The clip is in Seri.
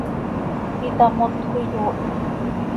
itamotjö, iyoohit.